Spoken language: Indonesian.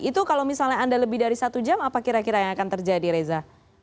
itu kalau misalnya anda lebih dari satu jam apa kira kira yang akan terjadi reza